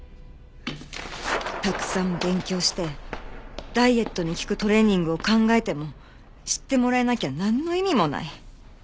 たくさん勉強してダイエットに効くトレーニングを考えても知ってもらえなきゃなんの意味もない。